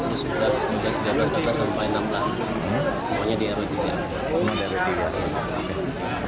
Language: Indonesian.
pokoknya di rw tiga